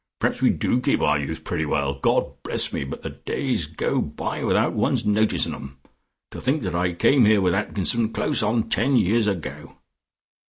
Perhaps we do keep our youth pretty well. God bless me, but the days go by without one's noticing them. To think that I came here with Atkinson close on ten years ago."